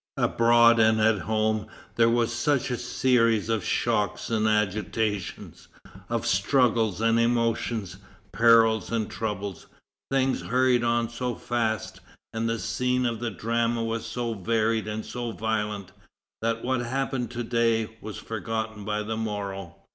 Abroad and at home there was such a series of shocks and agitations, of struggles and emotions, perils and troubles; things hurried on so fast, and the scenes of the drama were so varied and so violent, that what happened to day was forgotten by the morrow.